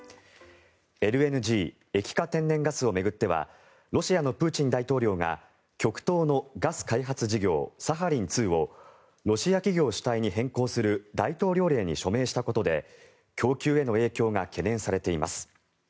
ＬＮＧ・液化天然ガスを巡ってはロシアのプーチン大統領が極東のガス開発事業サハリン２をロシア企業主体に変更する大統領令に署名したことで供給への影響が懸念されています。